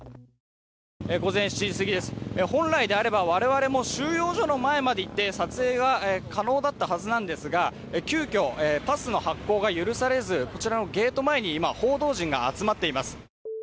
午前７時すぎです、本来であれば我々も収容所の前まで行って撮影が可能だったはずなんですが、急きょ、パスの発行が許されずこちらのゲート前に今、報道陣が集まっています。